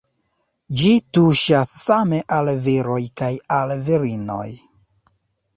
Ĝi tuŝas same al viroj kaj al virinoj.